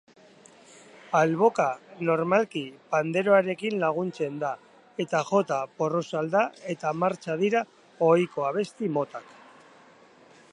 Alboka, normalki, panderoarekin laguntzen da, eta jota, porrusalda eta martxa dira ohiko abesti motak